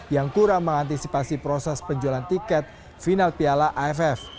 yang kurang mengantisipasi proses penjualan tiket final piala aff